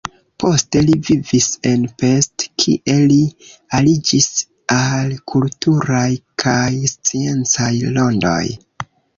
Poste li vivis en Pest, kie li aliĝis al kulturaj kaj sciencaj rondoj.